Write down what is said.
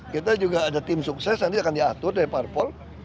kita juga ada tim sukses nanti akan diatur dari parpol